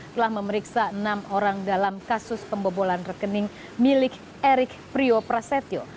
telah memeriksa enam orang dalam kasus pembobolan rekening milik erick prio prasetyo